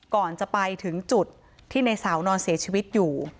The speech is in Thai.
ก่อนจะไปถึงจุดที่ในสาวนอนเสียชีวิตอยู่